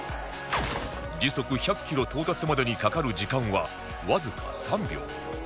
時速１００キロ到達までにかかる時間はわずか３秒